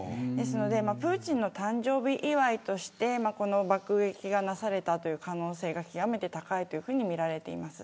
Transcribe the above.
プーチンの誕生日祝いとして爆撃がなされたという可能性が極めて高いとみられています。